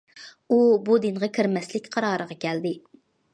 ئۇ بۇ دىنغا كىرمەسلىك قارارىغا كەلدى.